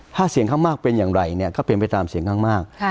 ถ้าเสียงข้างมากเป็นอย่างไรเนี่ยก็เป็นไปตามเสียงข้างมาก